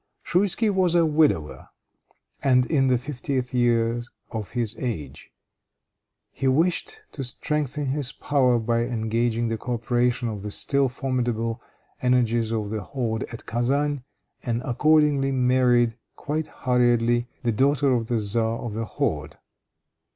Schouisky was a widower, and in the fiftieth year of his age. He wished to strengthen his power by engaging the coöperation of the still formidable energies of the horde at Kezan, and accordingly married, quite hurriedly, the daughter of the czar of the horde.